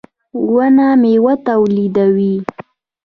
• ونه مېوه تولیدوي.